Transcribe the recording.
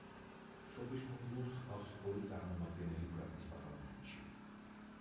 შობის კუნძულს ჰყავს ორი წარმომადგენელი ქვეყნის პარლამენტში.